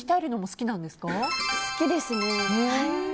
好きですね。